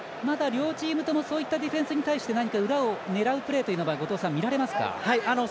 まだ両チームともそういったディフェンスに対して裏を狙うプレーが後藤さん、見られますか？